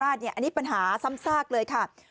อันนี้ปัญหาซ้ำซากเลยค่ะ